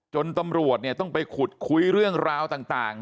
ตำรวจต้องไปขุดคุยเรื่องราวต่าง